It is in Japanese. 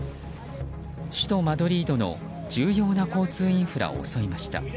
首都マドリードの重要な交通インフラを襲いました。